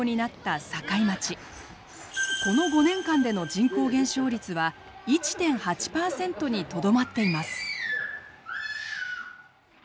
この５年間での人口減少率は１．８％にとどまっています。